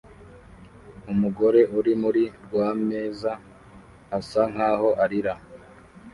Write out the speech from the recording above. Umugore uri muri RWAMEZA asa nkaho arira